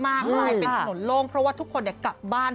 กลายเป็นถนนโล่งเพราะว่าทุกคนกลับบ้าน